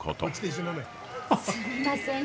すみません